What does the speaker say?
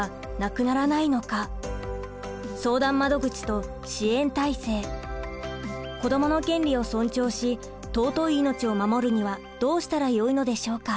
今回のポイントは子どもの権利を尊重し尊い命を守るにはどうしたらよいのでしょうか。